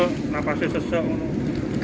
kenapa ini sejak